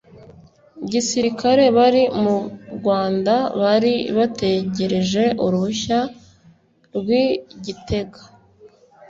gisirikare bari mu rwanda bari bategereje uruhushya rw’ i gitega